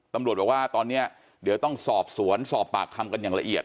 ตำรวจบอกว่าตอนนี้เดี๋ยวต้องสอบสวนสอบปากคำกันอย่างละเอียด